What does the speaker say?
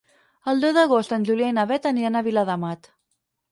El deu d'agost en Julià i na Beth aniran a Viladamat.